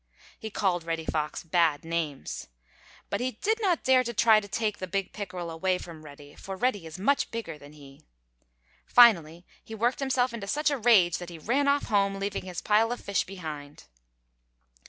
He called Reddy Fox bad names. But he did not dare try to take the big pickerel away from Reddy, for Reddy is much bigger than he. Finally he worked himself into such a rage that he ran off home leaving his pile of fish behind.